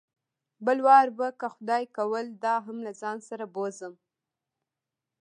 بل وار به که خدای کول دا هم له ځان سره بوځم.